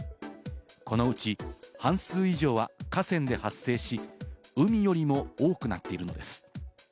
このうち半数以上は河川で発生し、海よりも多くなっているのです。